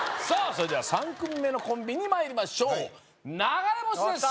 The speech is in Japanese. それでは３組目のコンビにまいりましょう流れ星☆です